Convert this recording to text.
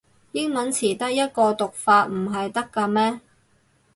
英文詞得一個讀法唔係得咖咩